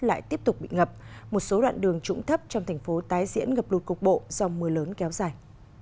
lại tiếp tục bị ngập một số đoạn đường trũng thấp trong thành phố tái diễn ngập lụt cục bộ do mưa lớn kéo dài